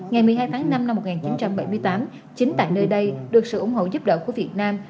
ngày một mươi hai tháng năm năm một nghìn chín trăm bảy mươi tám chính tại nơi đây được sự ủng hộ giúp đỡ của việt nam